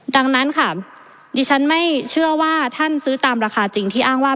ดังนั้นค่ะดิฉันไม่เชื่อว่าท่านซื้อตามราคาจริงที่อ้างว่า